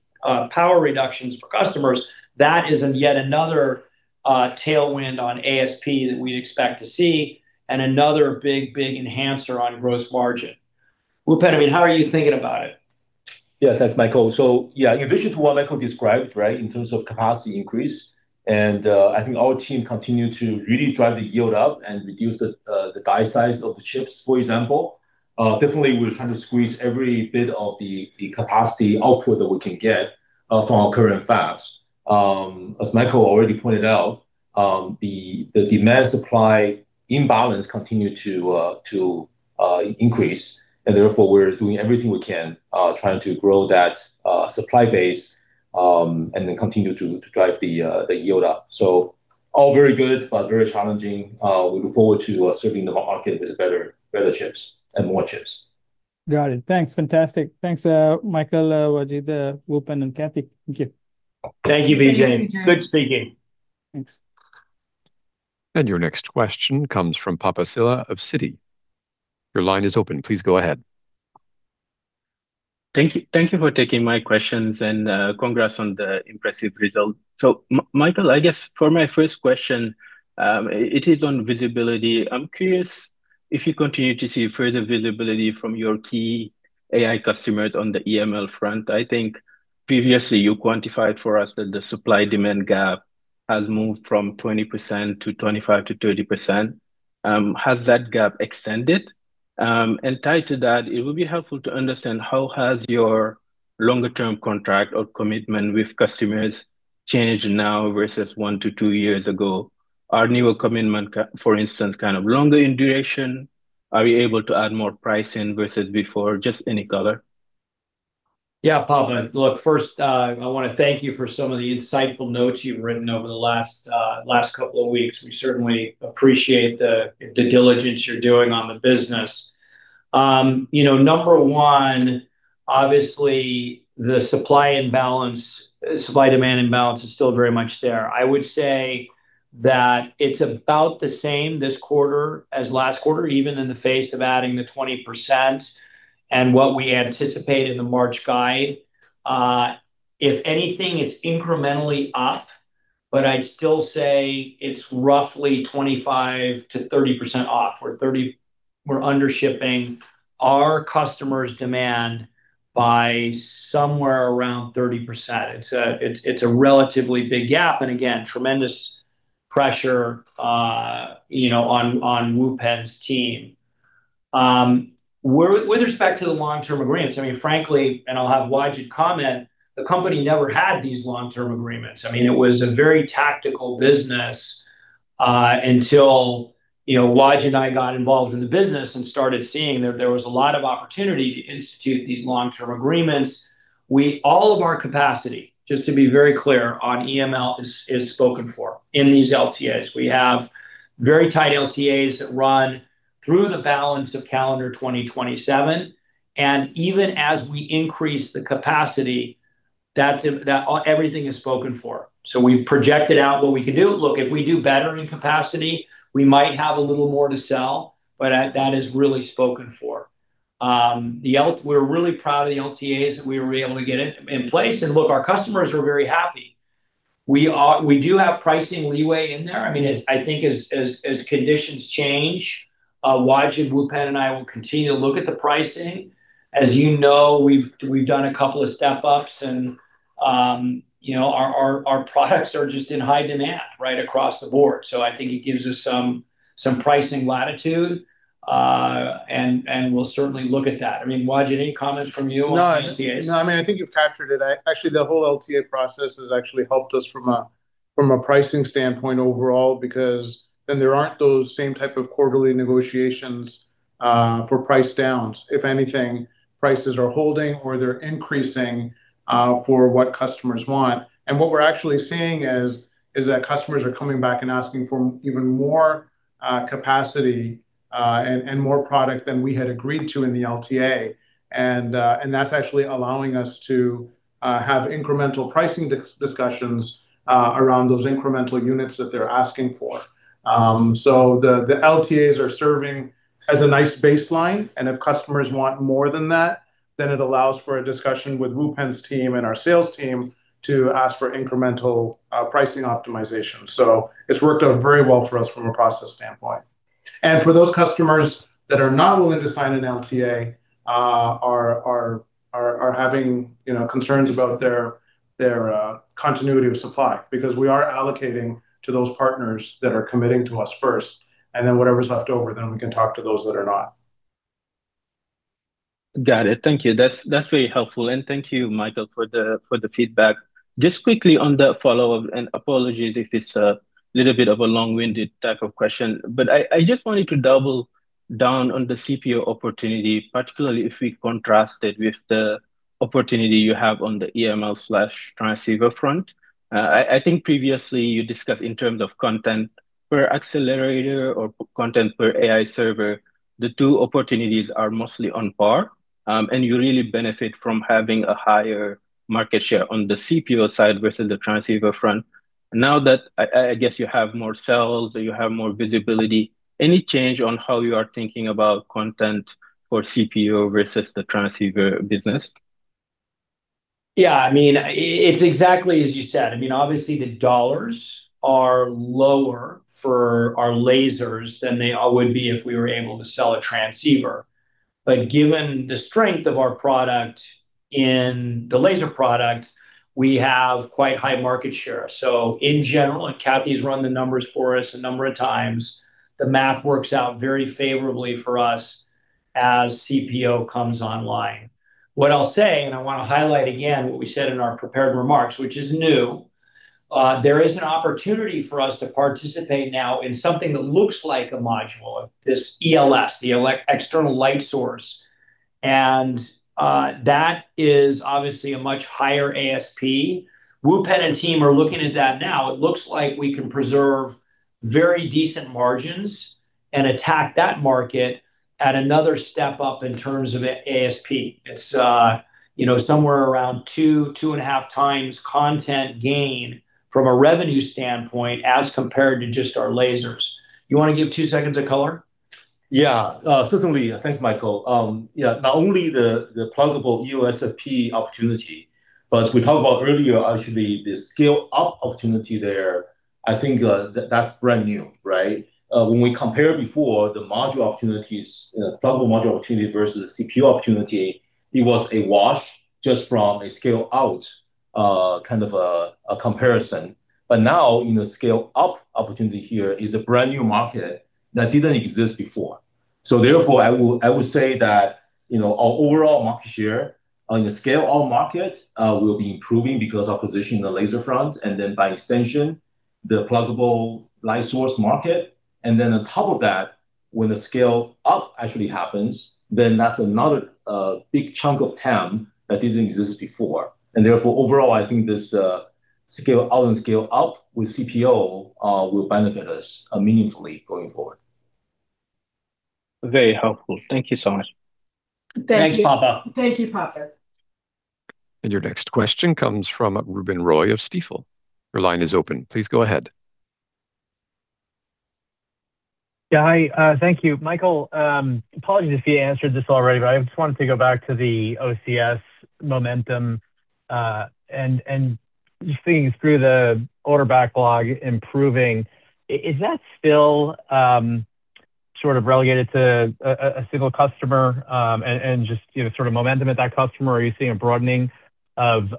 power reductions for customers. That is yet another tailwind on ASP that we'd expect to see, and another big, big enhancer on gross margin. Wupen, I mean, how are you thinking about it? Yeah. Thanks, Michael. So yeah, in addition to what Michael described, right, in terms of capacity increase, and I think our team continued to really drive the yield up and reduce the die size of the chips, for example. Definitely, we're trying to squeeze every bit of the capacity output that we can get from our current fabs. As Michael already pointed out, the demand-supply imbalance continue to increase, and therefore, we're doing everything we can, trying to grow that supply base, and then continue to drive the yield up. So all very good, but very challenging. We look forward to serving the market with better, better chips and more chips. Got it. Thanks. Fantastic. Thanks, Michael, Wajid, Wupen and Kathy. Thank you. Thank you, Vijay. Good speaking. Thanks. Your next question comes from Papa Sylla of Citi. Your line is open. Please go ahead. Thank you, thank you for taking my questions, and congrats on the impressive results. So Michael, I guess for my first question, it is on visibility. I'm curious if you continue to see further visibility from your key AI customers on the EML front. I think previously you quantified for us that the supply-demand gap has moved from 20% to 25%-30%. Has that gap extended? And tied to that, it would be helpful to understand how has your longer term contract or commitment with customers changed now versus one to two years ago? Are newer commitments, for instance, kind of longer in duration? Are you able to add more pricing versus before? Just any color. Yeah, Papa, look, first, I wanna thank you for some of the insightful notes you've written over the last, last couple of weeks. We certainly appreciate the, the diligence you're doing on the business. You know, number one, obviously, the supply and balance, supply-demand imbalance is still very much there. I would say that it's about the same this quarter as last quarter, even in the face of adding the 20% and what we anticipate in the March guide. If anything, it's incrementally up, but I'd still say it's roughly 25%-30% off, or thirty- we're under shipping our customers' demand by somewhere around 30%. It's a, it's, it's a relatively big gap, and again, tremendous pressure, you know, on, on Wupen's team. With respect to the long-term agreements, I mean, frankly, and I'll have Wajid comment, the company never had these long-term agreements. I mean, it was a very tactical business until, you know, Wajid and I got involved in the business and started seeing that there was a lot of opportunity to institute these long-term agreements. We all of our capacity, just to be very clear, on EML is spoken for in these LTAs. We have very tight LTAs that run through the balance of calendar 2027, and even as we increase the capacity, that everything is spoken for. So we've projected out what we can do. Look, if we do better in capacity, we might have a little more to sell, but that is really spoken for. The LTAs—we're really proud of the LTAs that we were able to get in place, and look, our customers are very happy. We are. We do have pricing leeway in there. I mean, I think as conditions change, Wajid, Wupen, and I will continue to look at the pricing. As you know, we've done a couple of step-ups, and you know, our products are just in high demand right across the board. So I think it gives us some pricing latitude, and we'll certainly look at that. I mean, Wajid, any comments from you on LTAs? No, I mean, I think you've captured it. Actually, the whole LTA process has actually helped us from a pricing standpoint overall, because then there aren't those same type of quarterly negotiations for price downs. If anything, prices are holding or they're increasing for what customers want. And what we're actually seeing is that customers are coming back and asking for even more capacity and more product than we had agreed to in the LTA. And that's actually allowing us to have incremental pricing discussions around those incremental units that they're asking for. So the LTAs are serving as a nice baseline, and if customers want more than that, then it allows for a discussion with Wupen's team and our sales team to ask for incremental pricing optimization. So it's worked out very well for us from a process standpoint. And for those customers that are not willing to sign an LTA, are having, you know, concerns about their continuity of supply, because we are allocating to those partners that are committing to us first, and then whatever's left over, then we can talk to those that are not. Got it. Thank you. That's, that's very helpful, and thank you, Michael, for the, for the feedback. Just quickly on the follow-up, and apologies if it's a little bit of a long-winded type of question, but I, I just wanted to double down on the CPO opportunity, particularly if we contrast it with the opportunity you have on the EML/transceiver front. I, I think previously you discussed in terms of content per accelerator or content per AI server, the two opportunities are mostly on par, and you really benefit from having a higher market share on the CPO side versus the transceiver front. Now that I, I, I guess you have more sales or you have more visibility, any change on how you are thinking about content for CPO versus the transceiver business? Yeah, I mean, it's exactly as you said. I mean, obviously, the dollars are lower for our lasers than they would be if we were able to sell a transceiver. But given the strength of our product in the laser product, we have quite high market share. So in general, and Kathy's run the numbers for us a number of times, the math works out very favorably for us as CPO comes online. What I'll say, and I wanna highlight again what we said in our prepared remarks, which is new, there is an opportunity for us to participate now in something that looks like a module, this ELS, the external light source, and that is obviously a much higher ASP. Wupen and team are looking at that now. It looks like we can preserve very decent margins and attack that market at another step up in terms of ASP. It's, you know, somewhere around two, two and a half times content gain from a revenue standpoint as compared to just our lasers. You want to give two seconds of color? Yeah, certainly. Thanks, Michael. Yeah, not only the pluggable OSFP opportunity, but we talked about earlier, actually, the scale-up opportunity there, I think, that's brand new, right? When we compare before the module opportunities, pluggable module opportunity versus CPO opportunity, it was a wash just from a scale-out, kind of a comparison. But now, in the scale-up opportunity here is a brand-new market that didn't exist before. So therefore, I would say that, you know, our overall market share on the scale-out market will be improving because our position in the laser front, and then by extension, the pluggable light source market, and then on top of that, when the scale-up actually happens, then that's another big chunk of TAM that didn't exist before. Therefore, overall, I think this scale-out and scale-up with CPO will benefit us meaningfully going forward. Very helpful. Thank you so much. Thanks, Papa. Thank you, Papa. Your next question comes from Ruben Roy of Stifel. Your line is open. Please go ahead. Yeah, hi, thank you. Michael, apologies if you answered this already, but I just wanted to go back to the OCS momentum, and just seeing through the order backlog improving, is that still sort of relegated to a single customer, and just, you know, sort of momentum at that customer? Or are you seeing a broadening of,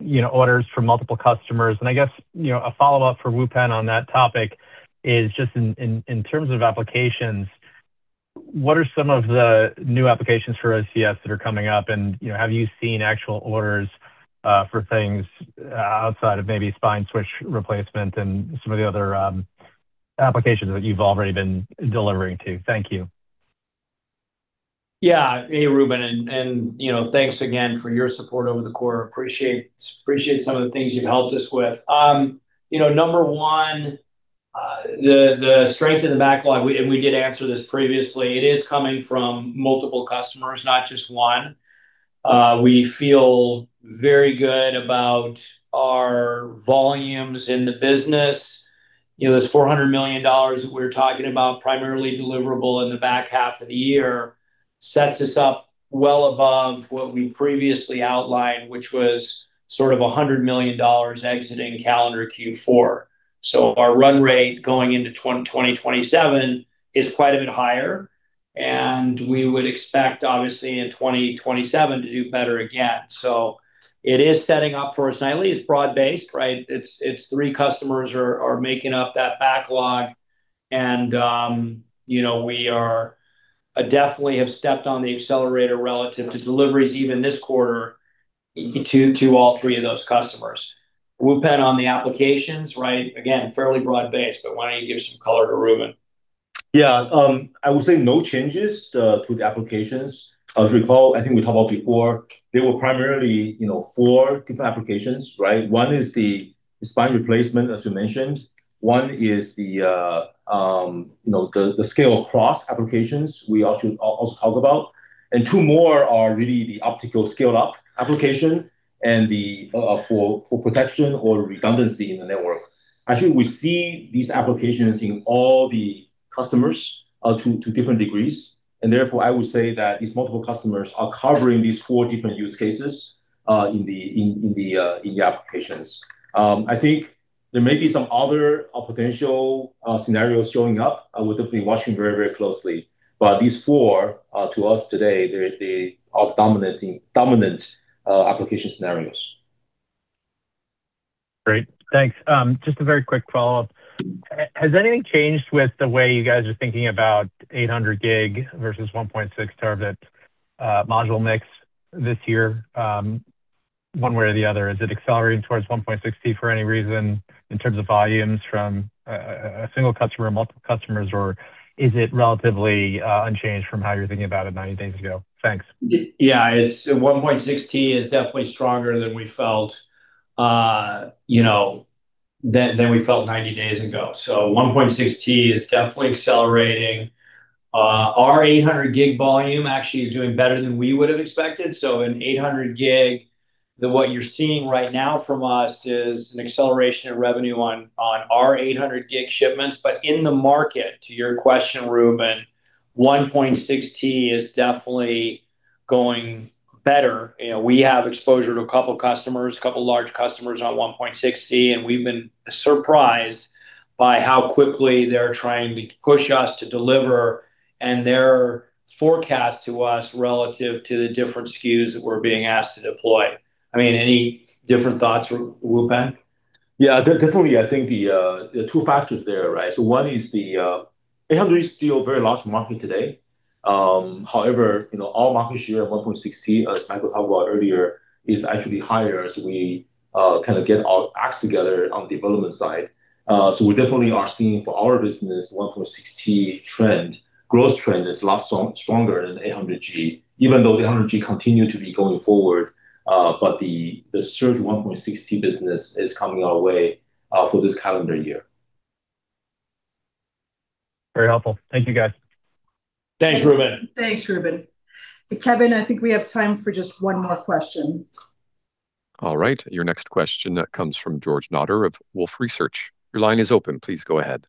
you know, orders from multiple customers? And I guess, you know, a follow-up for Wupen on that topic is just in terms of applications, what are some of the new applications for OCS that are coming up? And, you know, have you seen actual orders for things outside of maybe spine switch replacement and some of the other applications that you've already been delivering to? Thank you. Yeah. Hey, Ruben, and you know, thanks again for your support over the quarter. Appreciate some of the things you've helped us with. You know, number one, the strength in the backlog, we did answer this previously, it is coming from multiple customers, not just one. We feel very good about our volumes in the business. You know, those $400 million that we're talking about, primarily deliverable in the back half of the year, sets us up well above what we previously outlined, which was sort of $100 million exiting calendar Q4. So our run rate going into 2027 is quite a bit higher, and we would expect, obviously, in 2027 to do better again. So it is setting up for us, and it's broad-based, right? It's three customers making up that backlog and, you know, we definitely have stepped on the accelerator relative to deliveries, even this quarter, to all three of those customers. Wupen, on the applications, right? Again, fairly broad-based, but why don't you give some color to Ruben? Yeah, I would say no changes to the applications. As you recall, I think we talked about before, they were primarily, you know, four different applications, right? One is the spine replacement, as you mentioned. One is the, you know, the scale-across applications, we also talk about. And two more are really the optical scale-up application and the for protection or redundancy in the network. Actually, we see these applications in all the customers to different degrees, and therefore, I would say that these multiple customers are covering these four different use cases in the applications. I think there may be some other potential scenarios showing up. I would definitely be watching very, very closely. But these four to us today, they're the dominant application scenarios. Great, thanks. Just a very quick follow-up. Has anything changed with the way you guys are thinking about 800 gig versus 1.6 terabit module mix this year one way or the other? Is it accelerating towards 1.6T for any reason in terms of volumes from a single customer, multiple customers, or is it relatively unchanged from how you're thinking about it 90 days ago? Thanks. Yeah, it's 1.6T is definitely stronger than we felt, you know, than we felt 90 days ago. So 1.6T is definitely accelerating. Our 800 gig volume actually is doing better than we would have expected. So in 800 gig, the, what you're seeing right now from us is an acceleration of revenue on our 800 gig shipments. But in the market, to your question, Ruben, 1.6T is definitely going better. You know, we have exposure to a couple customers, a couple large customers on 1.6T, and we've been surprised by how quickly they're trying to push us to deliver and their forecast to us relative to the different SKUs that we're being asked to deploy. I mean, any different thoughts, Wupen? Yeah, definitely, I think the two factors there, right? So one is the 800 is still a very large market today. However, you know, our market share of 1.6T, as Michael talked about earlier, is actually higher as we kinda get our acts together on the development side. So we definitely are seeing for our business, 1.6T. Growth trend is a lot stronger than 800G, even though the 800G continue to be going forward, but the surge 1.6T business is coming our way for this calendar year. Very helpful. Thank you, guys. Thanks, Ruben. Thanks, Ruben. Kevin, I think we have time for just one more question. All right, your next question comes from George Notter of Wolfe Research. Your line is open. Please go ahead.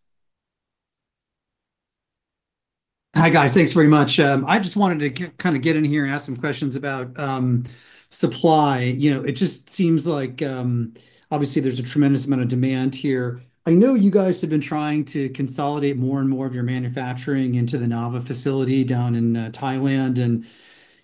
Hi, guys. Thanks very much. I just wanted to kind of get in here and ask some questions about supply. You know, it just seems like obviously there's a tremendous amount of demand here. I know you guys have been trying to consolidate more and more of your manufacturing into the Nava facility down in Thailand, and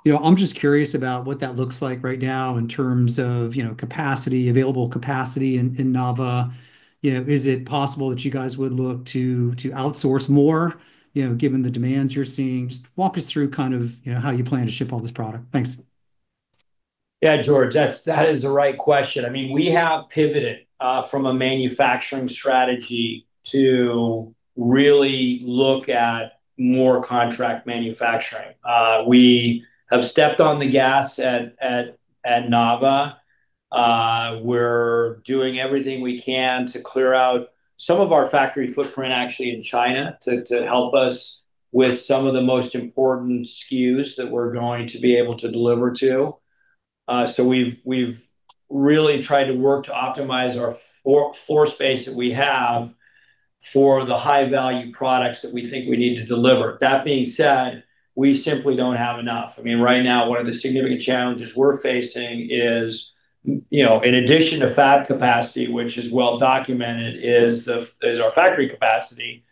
you know, I'm just curious about what that looks like right now in terms of you know, capacity, available capacity in Nava. You know, is it possible that you guys would look to outsource more, you know, given the demands you're seeing? Just walk us through kind of you know, how you plan to ship all this product. Thanks. Yeah, George, that's, that is the right question. I mean, we have pivoted from a manufacturing strategy to really look at more contract manufacturing. We have stepped on the gas at Nava. We're doing everything we can to clear out some of our factory footprint, actually, in China, to help us with some of the most important SKUs that we're going to be able to deliver to. So we've really tried to work to optimize our floor space that we have for the high-value products that we think we need to deliver. That being said, we simply don't have enough. I mean, right now, one of the significant challenges we're facing is, you know, in addition to fab capacity, which is well documented, is the, is our factory capacity,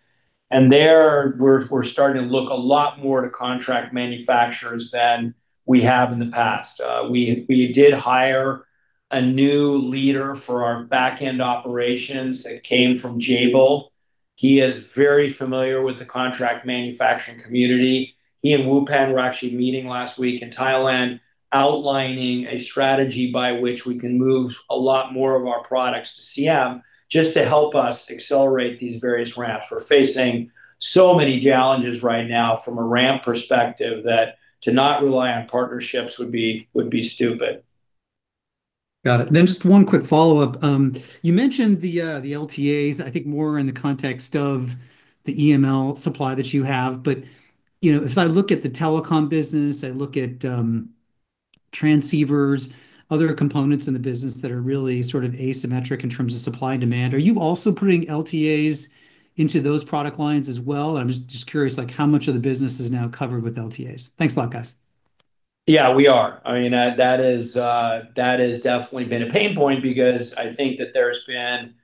and there we're, we're starting to look a lot more to contract manufacturers than we have in the past. We, we did hire a new leader for our backend operations that came from Jabil. He is very familiar with the contract manufacturing community. He and Wupen Yuen were actually meeting last week in Thailand, outlining a strategy by which we can move a lot more of our products to CM, just to help us accelerate these various ramps. We're facing so many challenges right now from a ramp perspective, that to not rely on partnerships would be, would be stupid. Got it. Then just one quick follow-up. You mentioned the the LTAs, I think, more in the context of the EML supply that you have, but, you know, if I look at the telecom business, I look at transceivers, other components in the business that are really sort of asymmetric in terms of supply and demand, are you also putting LTAs into those product lines as well? I'm just, just curious, like, how much of the business is now covered with LTAs. Thanks a lot, guys. Yeah, we are. I mean, that is, that has definitely been a pain point because I think that there's been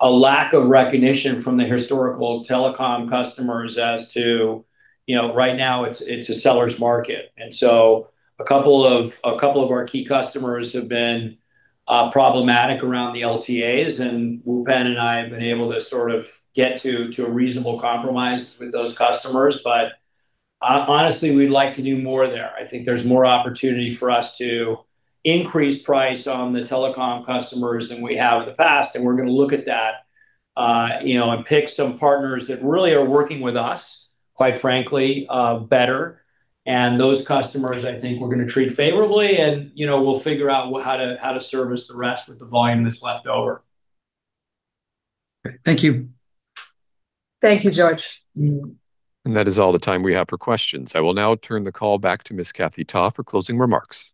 a lack of recognition from the historical telecom customers as to... You know, right now it's, it's a seller's market. And so a couple of, a couple of our key customers have been problematic around the LTAs, and Wupen Yuen and I have been able to sort of get to, to a reasonable compromise with those customers. But, honestly, we'd like to do more there. I think there's more opportunity for us to increase price on the telecom customers than we have in the past, and we're gonna look at that, you know, and pick some partners that really are working with us, quite frankly, better. Those customers, I think, we're gonna treat favorably, and, you know, we'll figure out how to service the rest with the volume that's left over. Thank you. Thank you, George. That is all the time we have for questions. I will now turn the call back to Ms. Kathy Ta for closing remarks.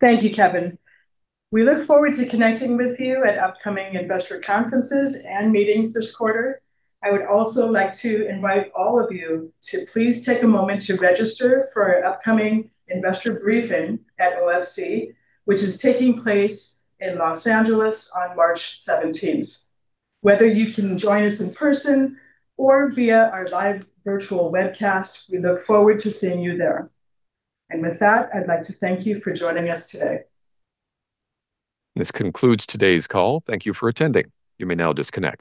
Thank you, Kevin. We look forward to connecting with you at upcoming investor conferences and meetings this quarter. I would also like to invite all of you to please take a moment to register for our upcoming investor briefing at OFC, which is taking place in Los Angeles on March 17th. Whether you can join us in person or via our live virtual webcast, we look forward to seeing you there. And with that, I'd like to thank you for joining us today. This concludes today's call. Thank you for attending. You may now disconnect.